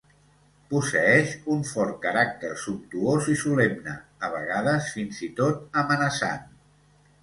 Posseeix un fort caràcter sumptuós i solemne, a vegades fins i tot amenaçant.